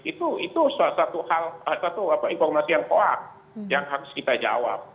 itu satu informasi yang kuat yang harus kita jawab